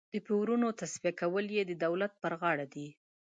د پورونو تصفیه کول یې د دولت پر غاړه دي.